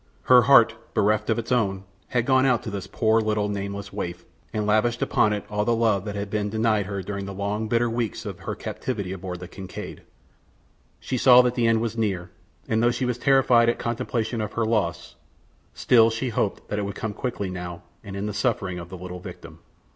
Her heart, bereft of its own, had gone out to this poor, little, nameless waif, and lavished upon it all the love that had been denied her during the long, bitter weeks of her captivity aboard the Kincaid. She saw that the end was near, and though she was terrified at contemplation of her loss, still she hoped that it would come quickly now and end the sufferings of the little victim.